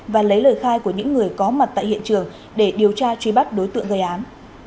và lấy lời khai của những người có mặt tại hiện trường để điều tra truy bắt đối tượng gây án